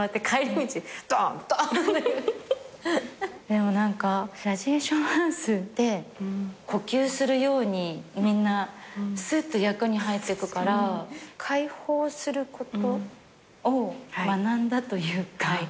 でも『ラジエーションハウス』で呼吸するようにみんなすっと役に入ってくから解放することを学んだというか。